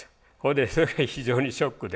でそれが非常にショックで。